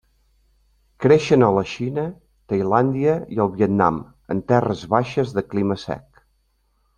Creixen a la Xina, Tailàndia i al Vietnam, en terres baixes de clima sec.